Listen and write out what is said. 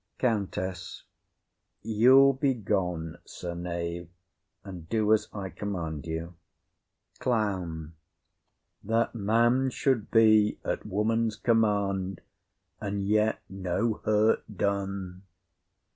COUNTESS. You'll be gone, sir knave, and do as I command you! CLOWN. That man should be at woman's command, and yet no hurt done!